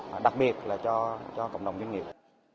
mà đặc biệt là cho cộng đồng doanh nghiệp